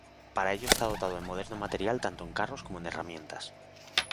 Para ello está dotado de moderno material tanto en carros como en herramientas.